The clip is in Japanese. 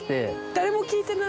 誰も聞いてない。